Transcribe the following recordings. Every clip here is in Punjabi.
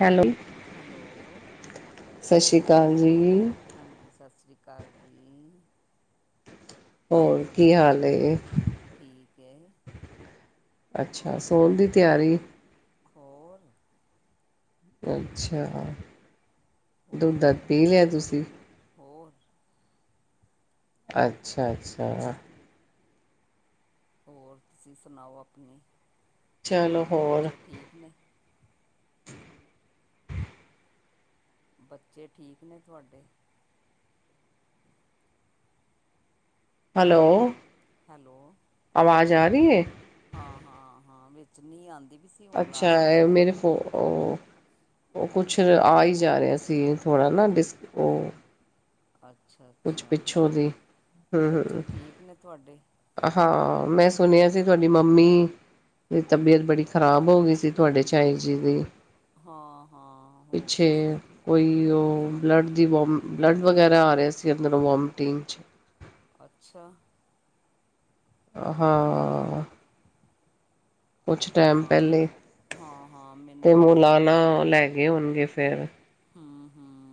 ਹੈਲੋ ਹੈਲੋ ਸਸ਼ਿ ਸ਼ੀਕਾਲ ਜੀ, ਹਾਂਜੀ, ਸਸਿਰੀ ਕਾਲ ਜੀ। ਹੋਰ, ਕੀ ਹਾਲ ਏ ਠੀਕ ਹੈ ਅੱਛਾ, ਸੋਨ ਦੀ ਤਿਆਰੀ ਹੋ, ਅੱਛਾ, ਦੁੱਧ ਹੋਰ ਦੱਦ ਪੀ ਲਿਆ ਤੁਸੀਂ। ਹੋਰ। ਅੱਛਾ, ਅੱਛਾ। ਹੋਰ, ਤੁਸੀਂ ਸਣਾਓ ਆਪਣੀ, ਚਲੋ ਹੋਰ ਬਾਲ-ਬੱਚੇ ਠੀਕ ਨੇਂ। ਬੱਚੇ, ਠੀਕ ਨੇ ਤੁਆਡੇ। ਹੈਲੋ। ਹੈਲੋ। ਆਵਾਜ਼ ਆ ਰਈ ਐ। ਹਾਂ, ਹਾਂ, ਹਾਂ ਵਿੱਚੇ ਨੀਂ ਆਦੀ ਪੀ ਸੀ ਹੁਣ ਅੱਛਾ, ਆ ਗਈ ਹੈ ਮੇਰੇ ਫ ਓ, ਓ, ਕੁਛ ਆ ਈ ਜਾ ਰਿਆ ਸੀ, ਥੋੜ੍ਹਾ ਨਾਂ ਡਿਸ ਓ ਅੱਛਾ ਅੱਛਾ। ਹੋਰ, ਦੀ ਹਮ ਹਮ ਬੱਚੇ ਠੀਕ ਨੇ ਤੁਆਡੇ। ਹਾਂ, ਮੈਂ ਸੁਣਿਆ ਸੀ, ਤੁਆਡੀ ਮੰਮੀ ਤੇ ਤਬੀਅਤ ਬੜੀ ਖ਼ਰਾਬ ਹੋ ਗਈ ਸੀ। ਤੁਆਡੇ, ਝਾਈ ਜੀ ਦੀ। ਹਾਂ, ਹਾਂ, ਹੋ ਪਿੱਛੇ ਗੀ ਸੀ। ਕੋਈ ਓ ਬਲੱਡ ਦੀ ਵੋਮ ਬਲੱਡ ਵਗੈਰਾ ਆ ਰਿਆ ਸੀ। ਅੰਦਰੋਂ ਵੋਮਟਿੰਗ ਚ। ਅੱਛਾ। ਹਾਂ। ਕੁਛ ਟਾਈਮ ਹਾਂ ਪੈਲੇ, ਹਾਂ ਹਾਂ ਮੈਨੂੰ ਤੇ ਵੀ ਮੁਲਾਣਾ ਲੈ ਗਏ ਹੋਣਗੇ, ਫਿਰ ਹਂ, ਹਂ।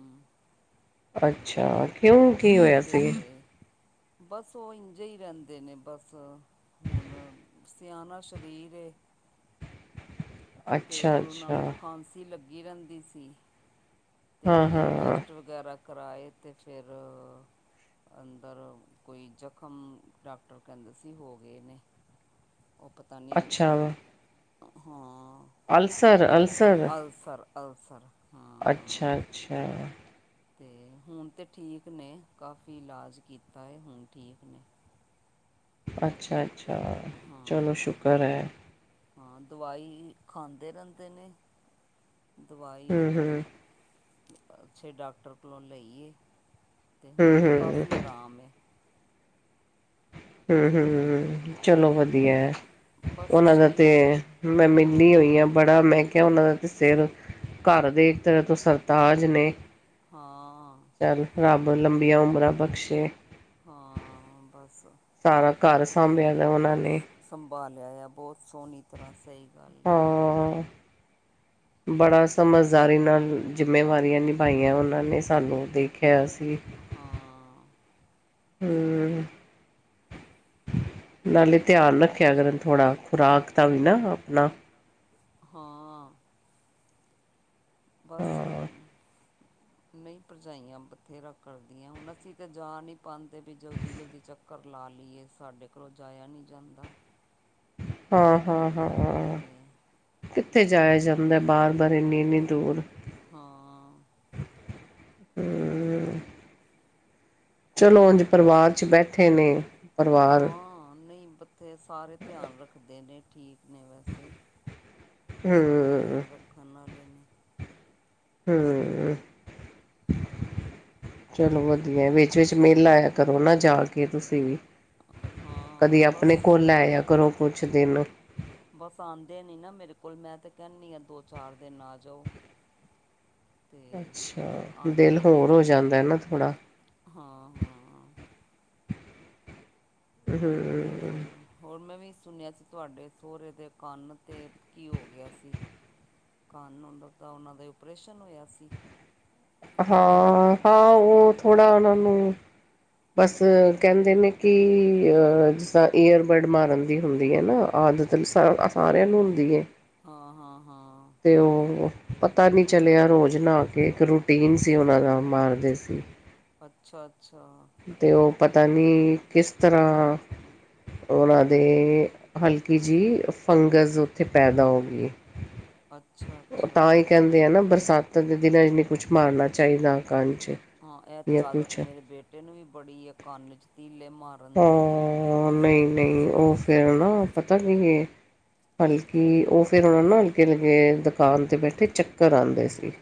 ਅੱਛਾ, ਕਿਉਂ? ਕੀ ਹੋਇਆ ਸੀ ਤੇ ਬਸ ਓ ਇੰਝੇ ਈ ਰੈਂਦੇ ਨੇ ਬਸ, ਹੁਣ ਸਿਆਣਾ ਸ਼ਰੀਰ ਏ। ਤੇ ਅੱਛਾ ਓ ਓਨ੍ਹਾਂ ਅੱਛਾ ਨੂੰ, ਖਾਂਸੀ ਲੱਗੀ ਰੈਂਦੀ ਸੀ। ਤੇ ਹਾਂ ਫਿਰ ਹਾਂ ਟੈਸਟ ਵਗੈਰਾ ਕਰਾਏ ਤੇ ਫਿਰ ਅੰਦਰ ਕੋਈ ਜ਼ਖ਼ਮ, ਡਾਕਟਰ ਕੈਂਦੇ ਸੀ ਹੋ ਗੇ ਨੇ। ਓ ਤ ਤਾਂ ਨਿਉ ਅੱਛਾ ਹਾਂ, ਅਲਸਰ ਅਲਸਰ ਆਲਸਰ ਅਲਸਰ। ਹਾਂ ਹਾਂ ਅੱਛਾ, ਅੱਛਾ। ਤੇ ਹੁਣ ਤੇ ਠੀਕ ਨੇ, ਕਾਫੀ ਇਲਾਜ ਕੀਤਾ ਏ, ਹੁਣ ਠੀਕ ਨੇ। ਅੱਛਾ, ਅੱਛਾ। ਹਾਂ ਚਲੋ, ਹਾਂ ਸ਼ੁਕਰ ਐ। ਹਾਂ, ਦਵਾਈ ਖਾਂਦੇ ਰੈਂਦੇ ਨੇ ਦਵਾਈ ਹਮ ਉੱਥੋਂ, ਹਮ ਅੱਛੇ ਡਾਕਟਰ ਕੋਲੋਂ ਲਈ ਐ। ਤੇ ਹੁਣ ਹਮ ਤੇ ਹਮ ਕਾਫ਼ੀ ਆਰਾਮ ਏ। ਹਂ, ਹਂ, ਹਂ, ਹਂ। ਚਲੋ, ਵਧੀਆ ਐ। ਬਸ ਓਨ੍ਹਾਂ ਦਾ ਤੇ ਸਰੀਰ ਮੈਂ ਮਿਲਲੀ ਹੋਈ ਹਾਂ ਆਂ ਬੜਾ ਮੈਂ ਓਨਾਂ ਦਾ ਤੇ ਸਿਰ, ਘਰ ਦੇ ਇੱਕ ਤਰ੍ਹਾਂ ਤੋ ਸਰਤਾਜ ਨੇ। ਹਾਂ। [unintelligible] ਰੱਬ ਲੰਬੀਆਂ, ਉਮਰਾਂ ਬਖਸ਼ੇ। ਹਾਂ, ਬਸ। ਸਾਰਾ ਘਰ ਸਾਂਭਿਆ ਦਾ ਓਨਾਂ ਨੇਂ। ਸੰਭਾਲਿਆ ਆ, ਬੋਤ ਸੋਹਣੀ ਤਰ੍ਹਾਂ ਸਈ ਗੱਲ ਐ। ਹਾਂ ਬੜਾ, ਸਮਝਦਾਰੀ ਨਲ ਜਿੰਮੇਵਾਰੀਆਂ ਹੂੰ ਨਿਭਾਈਆਂ ਓਨਾਂ ਨੇ, ਸਾਨੂੰ ਦੇਖਿਆ ਸੀ। ਹਾਂ, ਹੂੰ, ਨਾਲੇ ਧਿਆਨ ਰੱਖ। ਰੱਖਿਆ ਕਰ ਥੋੜ੍ਹਾ ਖੁਰਾਕ, ਤਾਂ ਵੀ ਨਾ ਆਪਣਾ ਹਾਂ, ਬਸ, ਨਈ, ਭਰਜਾਈਆਂ ਬਥੇਰਾ ਕਰਦੀਆਂ, ਹੁਣ ਅਸੀਂ ਤਾਂ ਜਾ ਨੀ ਪਾਦੇ ਵੀ ਜਲਦੀ-ਜਲਦੀ ਚ ਕਰਲਾ ਲਈਏ, ਸਾਡੇ ਕੋਲੋਂ ਜਾਇਆ ਨੀ ਜਾਂਦਾ। ਹਾਂ, ਹਾਂ, ਹਾਂ ਤੇ ਕਿੱਥੇ ਜਾਇਆ ਜਾਂਦਾ ਬਾਰ ਬਾਰ ਇੰਨੀ-ਇੰਨੀ, ਦੂਰ ਹਾਂ, ਹੂੰ, ਚਲੋ, ਉੰਝ ਪਰਿਵਾਰ 'ਚ ਬੈਠੇ ਨੇ ਪਰਿਵਾਰ ਹਾਂ, ਨਈ। ਤੇ, ਸਾਰੇ ਧਿਆਨ ਰੱਖਦੇ ਨੇ ਠੀਕ ਨੇ ਵੈਸੇ, ਸਭ ਹੂੰ ਧਿਆਨ ਰੱਖ ਖਾਣਾ ਲੈਣੇ ਹੂੰ, ਚਲੋ ਵਧੀਆ, ਵਿਚ-ਵਿਚ ਮਿਲ ਆਇਆ ਕਰੋ ਨਾ ਜਾ ਕੇ, ਤੁਸੀਂ ਵੀ ਹਾਂ ਕਦੀ ਬਸ ਆਪਣੇ ਕੋਲ ਲੈਆ, ਕਰੋ ਕੁਛ ਦਿਨ ਬਸ ਆਦੇ ਨੀ ਨਾ ਮੇਰੇ ਕੋਲ ਮੈਂ ਤੇ ਕਹਿੰਦੀ ਹਾਂ ਦੋ ਚਾਰ ਦਿਨ ਆ ਜਾਓ। [inaudible] ਤੇ ਅੱਛਾ, ਆਉਂਦੇ ਦਿਨ ਹੀ ਹੋਰ ਨਹੀਂ ਹੋ ਜਾਂਦਾ ਨਾ ਥੋੜ੍ਹਾ ਹਾਂ ਹਾਂ ਹੋਰ, ਹੋਰ ਮੈਂ ਵੀ ਸੁਣਿਆ ਸੀ ਤੁਹਾਡੇ ਸਹੁਰੇ ਦੇ ਕੰਨ 'ਤੇ ਕੀ ਹੋ ਗਿਆ ਸੀ। ਕੰਨ ਉਹਦਾ, ਉਹਨਾਂ ਦੇ ਓਪਰੇਸ਼ਨ ਹੋਇਆ ਸੀ। ਹਾਂ-ਹਾਂ, ਉਹ ਥੋੜ੍ਹਾ ਉਹਨਾਂ ਨੂੰ ਬਸ ਕਹਿੰਦੇ ਨੇ, ਕਿ ਅ ਜਿਸ ਤਾਂ ਈਅਰਬਡ ਮਾਰਨ ਦੀ ਹੁੰਦੀ ਐ ਨਾ ਆਦਤ ਹੁਣ, ਸਾਰਿਆਂ ਨੂੰ ਹੁੰਦੀ ਐ। ਹਾਂ, ਹਾਂ, ਹਾਂ। ਤੇ, ਉਹ ਪਤਾ ਨੀ ਚਲਿਆ ਰੋਜ਼ ਨਹਾ ਕੇ ਇੱਕ ਰੂਟੀਨ ਸੀ ਉਹਨਾਂ ਦਾ ਮਾਰਦੇ ਸੀ। ਅੱਛਾ-ਅੱਛਾ, ਤੇ ਉਹ ਪਤਾ ਨੀ, ਕਿਸ ਤਰ੍ਹਾਂ ਉਹਨਾਂ ਦੇ ਹਲਕੀ ਜਿਹੀ ਫੰਗਸ, ਉੱਥੇ ਪੈਦਾ ਹੋ ਗਈ। ਅੱਛਾ ਉਹ ਅੱਛਾ ਤਾਂ ਈ ਕਹਿੰਦੇ ਆ ਨਾ ਬਰਸਾਤਾਂ ਦੇ ਦਿਨਾਂ ਨੀ ਕੁਛ ਮਾਰਨਾ ਚਾਹੀਦਾ ਕੰਨ ਚ ਹਾਂ ਇਹਤ ਜਾਂ ਆਦਤ ਕੁਛ ਮੇਰੇ ਬੇਟੇ ਨੂੰ ਵੀ ਬੜੀ ਆ ਕੰਨ ਚ ਧੀਲੇ ਮਾਰ ਹਾਂ ਨਈ ਨਈ ਉਹ ਫੇਰ ਨਾ ਪਤਾ ਕੀ ਐ। ਬਲਕਿ ਉਹ ਫੇਰ ਉਹਨਾਂ ਨੂੰ ਅਲਗੇ ਅਲਕੇ ਦੁਕਾਨ ਤੇ ਬੈਠੇ ਚੱਕਰ ਆਦੇ ਸੀ।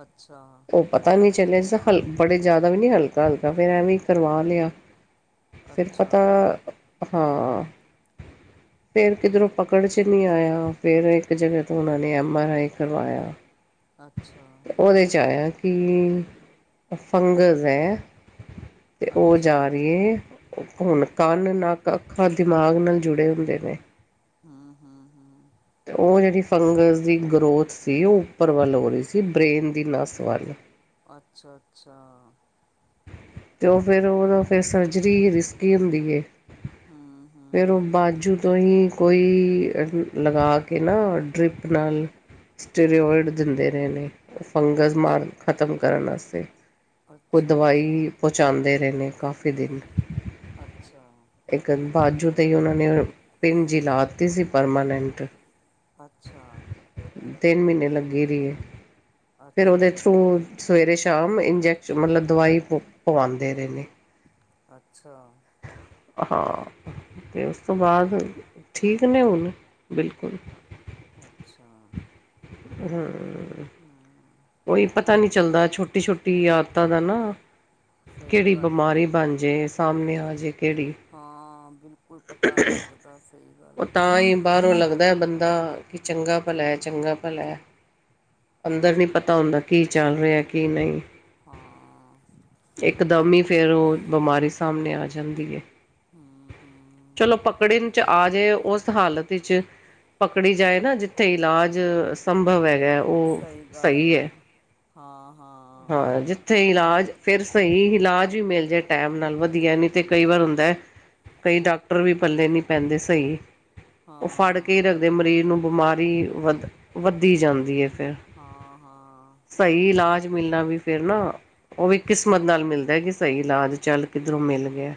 ਅੱਛਾ, ਉਹ ਪਤਾ ਨੀ ਚੱਲਿਆ ਜਦਾ ਹਲ ਬੜੇ ਜ਼ਿਆਦਾ ਵੀ ਨੀ ਹਲਕਾ ਹਲਕਾ ਫਿਰ ਐਵੇਂ ਹੀ ਕਰਵਾ ਲਿਆ। ਫਿਰ ਪਤਾ ਅੱਛਾ ਹਾਂ। ਫਿਰ ਕਿਧਰੋਂ ਪਕੜ ਚ ਨੀ ਆਇਆ ਫਿਰ ਇੱਕ ਜਗ੍ਹਾ ਤੋਂ ਉਹਨਾਂ ਨੇ ਐਮ ਆਰ ਆਈ ਕਰਵਾਇਆ। ਅੱਛਾ ਉਹਦੇ ਚ ਆਇਆ। ਕਿ ਫੰਗਸ ਐ ਤੇ ਉਹ ਜਾ ਅੱਛਾ ਰੀ ਐ। ਹੁਣ ਕੰਨ ਨੱਕ ਅੱਖਾਂ ਦਿਮਾਗ ਨਾਲ ਜੁੜੇ ਹੁੰਦੇ ਨੇ। ਹੂੰ-ਹੂੰ, ਤੇ ਉਹ ਜਿਹੜੀ ਫੰਗਸ ਦੀ ਗਰੋਥ ਸੀ ਉਹ ਉੱਪਰ ਵੱਲ ਹੋ ਰੀ ਸੀ ਬਰੇੇਨ ਦੀ ਨਸ ਵੱਲ ਅੱਛਾ-ਅੱਛਾ, ਤੇ ਉਹ ਫਿਰ ਉਹਦਾ ਫਿਰ ਸਰਜਰੀ ਹੀ ਰਿਸਕੀ ਹੁੰਦੀ ਏ ਹੂ ਹੂ ਫਿਰ ਉਹ ਬਾਜੂ ਤੋਂ ਹੀ ਕੋਈ ਲਗਾ ਕੇ ਨਾ ਡਰਿੱਪ ਨਾਲ ਸਟੀੇਰੇਓਇਡ ਦਿੰਦੇ ਰਹੇ ਨੇ ਉਹ ਫੰਗਸ ਅੱਛਾ ਮਾਰਨ ਖਤਮ ਕਰਨ ਵਾਸਤੇ ਕੋਈ ਅੱਛਾ ਅੱਛਾ ਦਵਾਈ ਪਹੁੰਚਾਉਂਦੇ ਰਹਿੰ ਨੇ ਕਾਫੀ ਦਿਨ ਅੱਛਾ ਇੱਕ ਬਾਜੂ 'ਤੇ ਹੀ ਉਹਨਾਂ ਨੇ ਪਿੰਨ ਜੀ ਲਾ ਦਿੱਤੀ ਸੀ ਪਰਮਾਨੈਂਟ ਅੱਛਾ ਤਿੰਨ ਮਹੀਨੇ ਲੱਗੀ ਰਹੀਏ ਫੇਿਰ ਅੱਛਾ ਉਹਦੇ ਅੱਛਾ ਥਰੂ ਸਵੇਰੇ ਸ਼ਾਮ ਇੰਜੈਕਸ਼ਨ ਮਤਲਬ ਦਵਾਈ ਪ ਪਵਾਉਂਦੇ ਰਹੇਿੰ ਨੇ ਅੱਛਾ ਹਾਂ ਤੇ ਉਸ ਤੋਂ ਬਾਅਦ ਹਾਂ ਠੀਕ ਨੇ ਹੁਣ ਬਿਲਕੁਲ ਅੱਛਾ [unintelligible] [unintelligible] ਉਹੀ ਪਤਾ ਨਹੀਂੀ ਚੱਲਦਾ ਛੋਟੀ ਛੋਟੀ ਔਦਤਾਂ ਦਾ ਨਾ ਸਹੀ ਕਿਹੜੀ ਗੱਲ ਏ ਬਿਮਾਰੀ ਬਣ ਜੇ ਸਾਹਮਣੇ ਆਜੇ ਕਿਹੜੀ ਹਾਂ ਬਿਲਕੁਲ ਪਤਾ ਨਹੀਂ ਲੱਗਦਾ ਸਹੀ ਉਹ ਗੱਲ ਹੈ ਤਾਂ ਹੀ ਬਾਹਰੋਂ ਲੱਗਦਾ ਬੰਦਾ ਕਿ ਚੰਗਾ ਭਲਾ ਚੰਗਾ ਭਲਾ ਅੰਦਰ ਨਹੀਂ ਪਤਾ ਹੁੰਦਾ ਕੀ ਚੱਲ ਰਿਹਾ ਕੀ ਨਹੀਂ ਹਾਂ ਇਕਦਮ ਹੀ ਫੇਰ ਉਹ ਬਿਮਾਰੀ ਸਾਹਮਣੇ ਆ ਜਾਂਦੀ ਹੈ ਹਮ ਹਮ ਚਲੋ ਪਕੜੇ ਨ ਚ ਆਜੇ ਉਸ ਹਾਲਤ ਵਿੱਚ ਪਕੜੀ ਜਾਏ ਨਾ ਜਿੱਥੇ ਇਲਾਜ ਸੰਭਵ ਹੈਗਾ ਉਹ ਸਹੀ ਗੱਲ ਏ ਹੈ। ਹਾਂ ਹਾਂ ਉੱਥੇ ਇਲਾਜ ਫਿਰ ਸਹੀ ਇਲਾਜ ਵੀ ਮਿਲ ਜਾਏ ਟਾਈਮ ਨਾਲ ਵਧੀਆ ਨਿ ਤੇ ਕਈ ਵਾਰ ਹੁੰਦਾ ਹੈ ਕਈ ਡਾਕਟਰ ਵੀ ਪੱਲੇ ਨਹੀਂੀ ਪੈਂਦੇ ਸਹੀ ਉਹ ਫੜ ਕੇ ਹੀ ਹਾਂ। ਰੱਖਦੇ ਮਰੀਜ਼ ਨੂੰ ਬਿਮਾਰੀ ਵੱਧ ਵੱਧਦੀ ਜਾਂਦੀ ਹੈ ਫਿਰ ਹਾਂ ਹਾਂ ਸਹੀ ਇਲਾਜ ਮਿਲਣਾ ਵੀ ਫੇਿਰ ਨਾ ਉਹ ਵੀ ਕਿਸਮਤ ਨਾਲ ਮਿਲਦਾ ਕਿ ਸਹੀ ਇਲਾਜ ਚੱਲ ਕਿੱਧਰੋਂ ਮਿਲ ਗਿਆ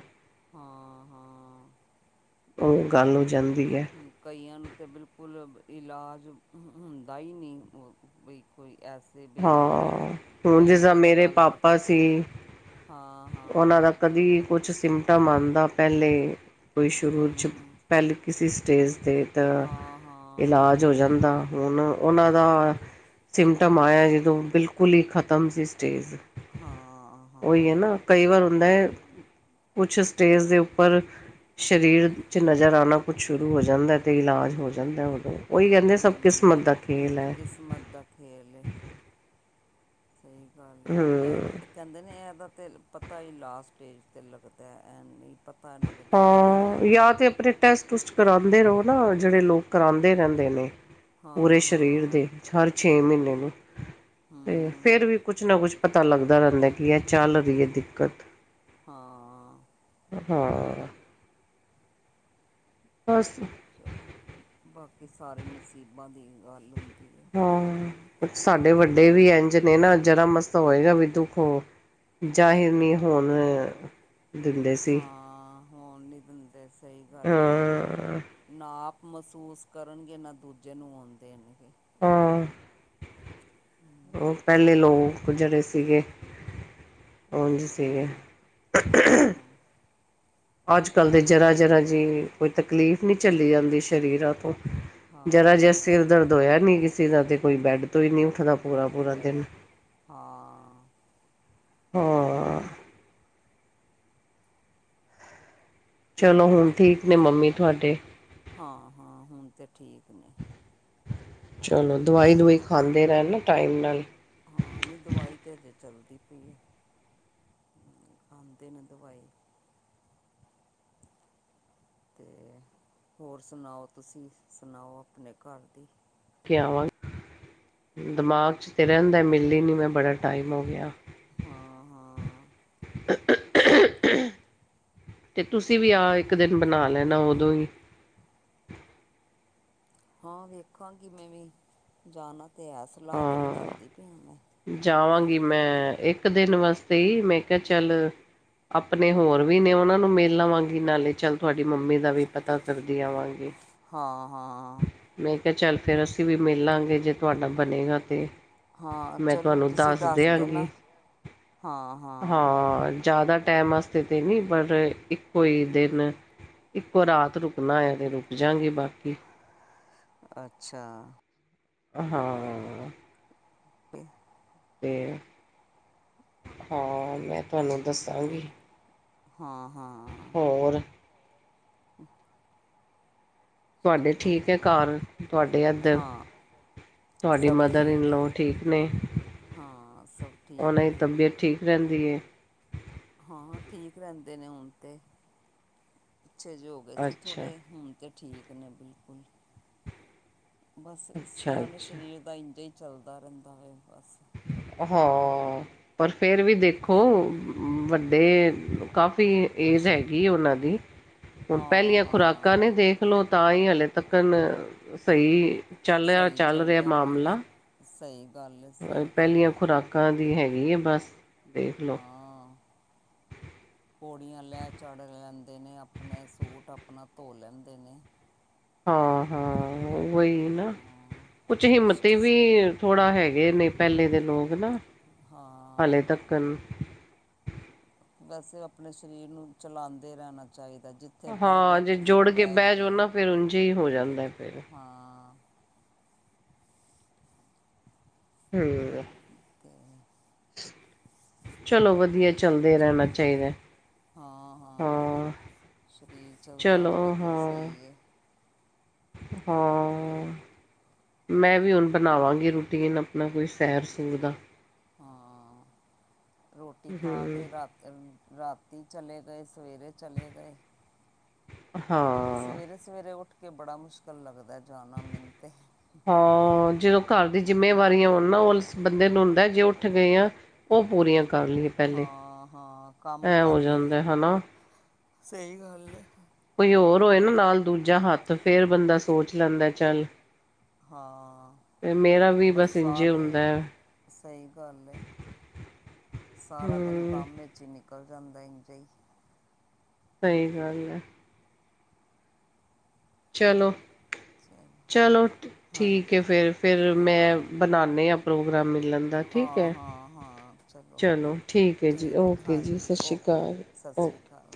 ਹਾਂ, ਹਾਂ। ਉਹ ਗੱਲ ਹੋ ਜਾਂਦੀ ਹੈ ਕਈਆਂ ਨੂੰ ਤਾਂ ਬਿਲਕੁਲ ਇਲਾਜ ਹੁੰਦਾ ਹੀ ਨਹੀਂ ਬਈ ਕੋਈ ਐਸ ਹਾਂ ਹੁਣ ਜਿਸਦਾ ਮੇਰੇ ਪਤਾ ਪਾਪਾ ਲੱਗਦਾ ਸੀ ਹਾਂ, ਉਹਨਾਂ ਹਾਂ, ਦਾ ਕਦੀ ਕੁਛ ਸਿੰਮਟਮ ਆਉਂਦਾ ਪਹਿਲੇ ਕੋਈ ਸ਼ੁਰੂ 'ਚ ਹੂੰ, ਪਹਿਲ ਕਿਸੀ ਸਟੇਜ 'ਤੇ ਤਾਂ ਹਾਂ, ਹਾਂ। ਇਲਾਜ ਹੋ ਜਾਂਦਾ ਹੁਣ ਉਹਨਾਂ ਦਾ ਸਿਮਟਮ ਆਇਆ ਜਦੋਂ ਬਿਲਕੁਲ ਕੁਲ ਹਿ ਖਤਮ ਸੀ ਸਟੇਜ ਹਾਂ, ਉਹੀ ਹੈ ਹਾਂ, ਨਾ, ਕਈ ਵਾਰ ਹੁੰਦਾ ਹੈ। ਕੁਛ ਸਟੇਜ ਦੇ, ਉੱਪਰ ਸਰੀਰ 'ਚ ਨਜ਼ਰ ਆਉਣਾ ਕੁਛ ਸ਼ੁਰੂ ਹੋ ਜਾਂਦਾ, ਅਤੇ ਇਲਾਜ ਹੋ ਜਾਂਦਾ ਉਦੋਂ ਉਹੀ, ਕਹਿੰਦੇ ਸਭ ਕਮਤ ਦਾ ਖੇਲ ਹੈ। ਮੱਦਾ ਖੇਲ਼ੇ ਸਹੀ ਗੱਲ ਹੈ ਇਹ ਹਮ ਤੇ ਹੈ ਕਹਿੰਦੇ ਨੇ ਇਹਦਾ ਤੇ, ਪਤਾ ਹੀ ਲਾਸਟ ਸਟੇਜ 'ਤੇ ਲੱਗਦਾ ਐ ਨਿ ਪਤਾ। ਲੱਗਦਾ ਹੀ ਨਹੀਂ ਹੈ। ਹਾਂ, ਯਾ ਤੇ ਆਪਣੇ ਟੈਸਟ, ਟੁਸਟ ਕਰਾਂਦੇ ਰੋ ਨਾ, ਜੇੜੇ ਲੋਕ ਕਰਾਂਦੇ ਰਹੰਦੇ ਨੇ ਪੂਰੇ ਹਾਂ ਸਰੀਰ ਹਾਂ ਦੇ ਹਰ ਛੇ ਮੀਨੇ ਨੂੰ ਤੇ ਹੂੰ ਫੇਰ ਵੀ ਕੁਛ ਨਾ ਕੁਛ ਪਤਾ ਲੱਗਦਾ ਰਹੰਦਾ ਕੀ ਏਹ ਚੱਲ ਰੲਈ ਏ ਦਿੱਕਤ। ਹਾਂ ਹਾਂ ਬਸ ਚਲੋ, ਬਾਕੀ ਸਾਰੀ ਨਸੀਬਾਂ ਦੀ ਗੱਲ ਹੁੰਦੀ ਏ। ਹਾਂ, ਸਾਡੇ ਵੱਡੇ ਵੀ ਏੰਝ ਨੇ ਨਾ ਜਰਾ ਮਾਸਾ ਹੋਏਗਾ ਵੀ ਦੁਖ ੳਹ ਜਾਹਿਰ ਨੀ ਹੁਨ ਹਾਂ, ਹੋਨ ਨੀ ਦਿੰਦੇ, ਸਹੀ ਗੱਲ ਏ। ਹਾਂ ਨਾ ਆਪ ਮਸੂਸ ਕਰਨਗੇ, ਨਾ ਦੂਜੇ ਨੂੰ ਹੋਨ ਦੇਨਗੇ। ਹੂੰ। ੳਹ ਪੈਲੇ ਲੋਕ ਜੇੜੇ ਸੀਗੇ ੳੰਝ ਸੀਗੇ। ਹਾਂ। ਅੱਜ-ਕੱਲ ਦੇ ਜਰਾ-ਜਰਾ ਜੀ ਕੋਈ ਤਕਲੀਫ਼ ਨਈ ਝਲੀ ਜਾਂਦੀ ਸਰੀਰਾਂ ਤੋਂ ਜਰਾ ਜਾ ਹਾਂ ਸਿਰ ਦਰਦ ਹੋਏਆ ਨੀ ਕਿਸੇ ਦਾ ਤੇ, ਕੋਈ ਬੈਡ ਤੋਂ ਹੀ ਨਈ ਉਠਦਾ। ਬੈਡ ਤੋਂ, ਹਾਂ। ਹਾਂ। ਚਲੋ, ਹੁਨ ਠੀਕ ਨੇ ਮੰਮੀ ਤੁਹਾਡੇ ਹਾ ਹਾਂ, ਹੁਨ ਤੇ ਠੀਕ ਨੇ। ਚਲੋ, ਤੇ ਦਵਾਈ-ਦੁਵਈ ਖਾਂਦੇ ਰਹਨ ਨਾ ਟਾਈਮ ਨਾਲ। ਹਾਂ, ਨਈ ਦਵਾਈ ਤੇ ਹਜੇ ਚੱਲਦੀ ਪਈ ਏ। ਖਾਂਦੇ ਨੇ ਦਵਾਈ ਤੇ ਹੋਰ ਸੁਣਾਓ, ਤੁਸੀਂ ਸੁਣਾਓ ਪਣੇ ਘਰ ਦੀ। ਕੇ ਆਵਾਂ, ਦਿਮਾਗ ਚ ਤੇ ਰੈਂਦਾ ਮਿਲੀ ਨਈ, ਮੈਂ ਬੜਾ ਟਾਈਮ ਹੋ ਗਿਆ। ਹਾਂ, ਹਾਂ [inaudible] ਤੇ ਤੁਸੀਂ ਵੀ ਆ ਇੱਕ ਦਿਨ ਬਨਾ ਲੈਨਾ ੳਦੋਂ ਈ। [inaudible] ਹਾਂ ਵੇਖਾਂਗੀ ਮੈਂ ਵੀ, ਜਾਨਾ ਤੇ ਹੈ। ਸਲਾਹ ਤੇ ਹਾਂ ਬਨਾਦੀ ਪਈ ਆ ਮੈਂ ਜਾਵਾਂਗੀ ਮੈਂ ਇੱਕ ਦਿਨ ਵਾਸਤੇ ਈ, ਮੈਂ ਕੇਆ ਚੱਲ ਅਪਨੇ ਹੋਰ ਵੀ ਨੇ ੳਨਾਂ ਨੂੰ ਮਿਲ ਲਵਾਂਗੀ ਨਾਲੇ ਚੱਲ, ਤੁਹਾਡੀ ਮੰਮੀ ਦਾ ਵੀ ਪਤਾ ਕਰਦੀ ਆਵਾਂਗੀ। ਹਾਂ-ਹਾਂ। ਮੈਂ ਕਿਆ ਚੱਲ, ਫੇਰ ਅਸੀ ਵੀ ਮਿਲ ਲਾਂਗੇ, ਜੇ ਤੁਹਾਡਾ ਬਨੇਗਾ ਤੇ ਹਾਂ ਮੈਂ ਚਲੋ ਤਾਨੂੰ ਤੁਸੀਂ ਦੱਸ ਦੇਆਂਗੀ। ਦੇਣਾ ਹਾਂ, ਜਾਦਾ ਟੈਮ ਅਸ ਕਿਤੇ ਨੀ ਬਨ ਰਏ, ਇੱਕੋ ਈ ਦਿਨ ਇੱਕੋ ਰਾਤ ਰੁਕਨਾ ਹੋਏਆ ਤੇ ਰੁਕ ਜਾਂਗੀ, ਬਾਕੀ ਅੱਛਾ। ਹਾਂ [inaudible] ਤੇ ਹਾ ਮੈਂ ਤਾਨੂੰ ਦੱਸ ਤੇ ਹਾਂ ਹਾਂ। ਹੋਰ [inaudible] ਤੁਹਾਡੇ ਚਲੋ ਠੀਕ ਐ ਘਰ ਤੁਹਾਡੇ ਇੱਧਰ। ਹਾਂ ਤੁਹਾਡੀ ਸਭ ਮਦਰ ਇਨ ਠੀਕ ਹੈ ਲੋ ਠੀਕ ਨੇ, ਹਾਂ ਸਭ ਠੀਕ ਉਹਨਾਂ ਦੀ ਨੇ ਤਬੀਅਤ ਠੀਕ। ਰਹਿੰਦੀ ਐ। ਹਾਂ-ਹਾਂ ਠੀਕ ਰਹਿੰਦੇ ਨੇ ਹੁਣ ਤੇ, ਪਿੱਛੇ ਜੇ ਹੋ- ਗਏ ਸੀ ਅੱਛਾ, ਥੋੜੇ, ਹੁਣ ਤੇ ਠੀਕ ਨੇ ਬਿਲਕੁਲ। ਬਸ ਅੱਛਾ, ਸਿਆਨੇ ਅੱਛਾ ਸਰੀਰ ਦਾ ਇੰਝ ਈ ਚੱਲਦਾ ਰਹਿੰਦਾ ਐ, ਬਸ। ਹਾਂ, ਪਰ ਫੇਰ ਵੀ ਦੇਖੋ ਸਰੀਰ ਵੱ- ਦੇ ਕਾਫੀ ਏਜ ਹੈਗੀ ਉਹਨਾਂ ਦੀ, ਹੁਣ ਹਾਂ ਪਹਿਲੀਆਂ ਹਾਂ ਖੁਰਾਕਾਂ ਨੇ ਜੇ, ਦੇਖਲੋ ਤਾਂ ਹੀ ਹਲੇ ਤੱਕਨ, ਸਹੀ ਚੱਲ ਰਿਹਾ ਸਹੀ ਚੱਲ ਰਿਹਾ ਚੱਲਦਾ ਪਿਆ ਮਾਮਲਾ। ਸਹੀ ਗੱਲ ਏ- ਸਹੀ ਗੱਲ ਏ। ਕਾ ਦੀ ਹੈਗੀ ਐ ਬਸ। ਦੇਖ ਲਓ। ਹਾਂ। ਪੌੜੀਆਂ ਲੈ ਚੜ ਲੈਂਦੇ ਨੇ, ਆਪਣੇ ਸੂਟ ਆਪਣਾ ਧੋ ਲੈਂਦੇ ਨੇ। ਹਾਂ-ਹਾਂ ਉਹੀ ਨਾ, ਹਾਂ ਕੁਛ ਹਿੰਮਤੀ ਸ- ਵੀ। ਥੋੜਾ ਹੈਗੇ ਨੇ ਪਹਿਲੇ ਦੇ ਲੋਕ ਨਾ, ਹਾਂ ਹਾਲੇ ਤੱਕਨ। ਬਸ ਆਪਣੇ ਸਰੀਰ ਨੂੰ ਚਲਾਂਦੇ ਰਹਿਣਾ ਚਾਹੀਦਾ। ਜਿੱ- ਤੇ ਬਹਿ ਹਾਂ ਗਏ ਜੇ ਤੇ ਫੇਰ ਜੋੜ ਕੇ ਬਹਿ ਈ ਜਾਓ ਗਏ, ਨਾ ਫਿਰ ਉਝ ਹੀ ਹੋ ਜਾਂਦਾ ਫਿਰ ਹਾਂ। ਹਾਂ [unintelligible] ਹੂੰ। ਠੀਕ ਐ। ਚਲੋ ਵਧੀਆ, ਚੱਲਦੇ ਰਹਿਣਾ ਚਾਹੀਦਾ। ਹਾਂ-ਹਾਂ ਹਾਂ ਸਰੀਰ ਚੱਲਦਾ ਚਲੋ ਰਹੇ ਤੇ ਹਾਂ ਸਹੀ ਹੈ। ਹਾਂ। ਤੇ, ਮੈਂ ਵੀ ਹੁਣ ਬਣਾਵਾਂਗੀ, ਰੁਟੀਨ ਆਪਣਾ ਕੋਈ ਸੈਰ- ਸੂਰ ਦਾ। ਹਾਂ ਰੋਟੀ ਖਾ ਹੂੰ ਕੇ ਰਾਤ, ਰਾਤੀ ਚਲੇ ਗਏ, ਸਵੇਰੇ ਚਲੇ ਗਏ। ਹਾਂ। ਸਵੇਰੇ-ਸਵੇਰੇ ਉੱਠ ਕੇ ਬੜਾ ਮੁਸ਼ਕਿਲ ਲੱਗਦਾ ਜਾਣਾ। ਮੈਨੂੰ ਤੇ, ਹਾਂ ਜਦੋਂ ਘਰ ਦੀ ਜਿੰਮੇਵਾਰੀਆਂ ਹੋਣ ਨਾ ਉਸ ਬੰਦੇ ਨੂੰ ਹੁੰਦਾ ਜੇ ਉੱਠ ਗਏ ਆ। ਉਹ ਪੂਰੀਆਂ, ਕਰ ਲਈਏ ਪਹਿਲੇ ਹਾਂ-ਹਾਂ ਕੰਮ ਐ ਹੋ ਕਰ ਲਈਏ, ਜਾਂਦਾ ਹਨਾ ਸਹੀ ਗੱਲ ਹੈ। ਕੋਈ ਹੋਰ ਹੋਏ ਨਾ ਨਾਲ ਦੂਜਾ ਹੱਥ ਫੇਰ ਬੰਦਾ ਸੋਚ ਲੈਂਦਾ ਚੱਲ। ਹਾਂ ਤੇ ਮੇਰਾ ਵੀ ਬਸ ਇੰਝੇ ਹੁੰਦਾ ਸਾਰੇ ਹੈ ਸਹੀ ਗੱਲ ਹੈ। ਸਾਰਾ ਦਿਨ ਹੂੰ ਕੰਮ ਵਿੱਚ ਹੀ ਨਿਕਲ ਜਾਂਦਾ ਇੰਜ ਏ ਹੀ। ਸਹੀ ਗੱਲ ਹੈ। ਚਲੋ ਚਲੋ-ਚਲੋ ਠੀਕ ਹੈ। ਹਾਂਜੀ ਫੈਰ- ਫੇਰ ਮੈਂ ਹਾਂ ਬਣਾਉਦੇ ਆ। ਪ੍ਰੋਗਰਾਮ ਮਿਲਣ, ਦਾ ਠੀਕ ਹਾਂ, ਹੈ ਹਾਂ, ਹਾਂ ਚਲੋ ਜੀ ਠੀਕ ਹੈ। ਓਕੇ ਜੀ ਹਾਂਜੀ ਸਤਿ ਸ਼੍ਰੀ ਓਕੇ, ਅਕਾਲ ਸਤਿ ਓਕੇ ਸ਼੍ਰੀ ਅਕਾਲ।